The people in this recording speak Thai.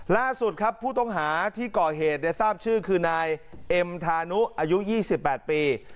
ล่าสุดครับผู้ต้องหาที่ก่อเหตุทราบชื่อคือนายเอ็มธานุอายุ๒๘ปี